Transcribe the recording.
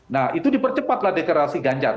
nah itu dipercepatlah deklarasi ganjar